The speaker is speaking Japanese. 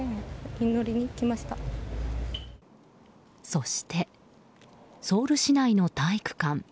そして、ソウル市内の体育館。